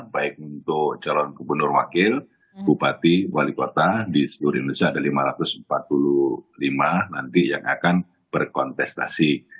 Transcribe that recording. baik untuk calon gubernur wakil bupati wali kota di seluruh indonesia ada lima ratus empat puluh lima nanti yang akan berkontestasi